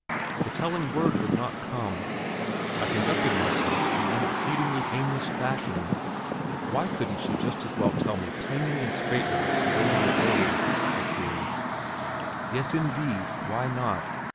The telling word would not come; I conducted myself in an exceedingly aimless fashion. Why couldn't she just as well tell me plainly and straightly to go my way? I queried. Yes, indeed, why not?